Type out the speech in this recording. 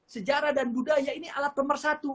sejarah dan budaya ini alat pemersatu